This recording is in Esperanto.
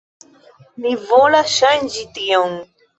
Mi volas ŝanĝi tion.